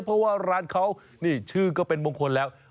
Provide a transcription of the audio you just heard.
เพราะว่าร้านเขานี่ชื่อก็เป็นมงคลแล้ว